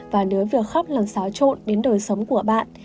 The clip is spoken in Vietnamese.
và nếu việc khóc làm xáo trộn đến đời sống của bạn